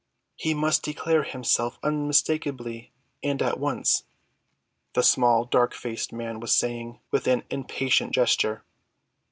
"He must declare himself unmistakably and at once," the small, dark‐faced man was saying with an impatient gesture.